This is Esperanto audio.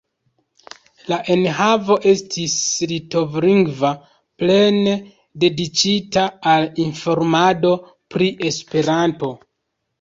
La enhavo estis litovlingva, plene dediĉita al informado pri Esperanto.